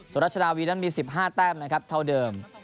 รัชนาวีนั้นมี๑๕แต้มนะครับเท่าเดิม